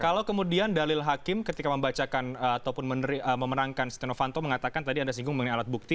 kalau kemudian dalil hakim ketika membacakan ataupun memenangkan setia novanto mengatakan tadi anda singgung mengenai alat bukti